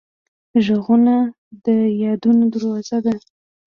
غږونه د یادونو دروازه ده